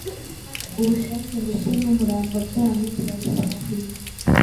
ubushake ndetse n’umurava byanyu turabisahima,